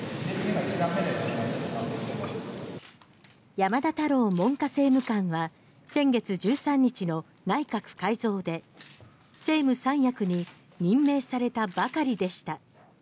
山田太郎文科政務官は先月１３日の内閣改造で政務三役に任命されたばかりでした。